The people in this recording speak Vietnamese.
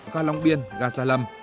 gia long biên gia gia lâm